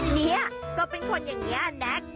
เนี่ยก็เป็นคนอย่างนี้แน็ก